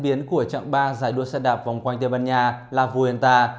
giải đua xe tăng của giải đua xe đạp vòng quanh tây ban nha la vuelta